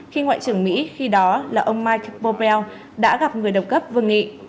khi ngoại trưởng mỹ khi đó là ông mike pompeo đã gặp người đồng cấp vương nghị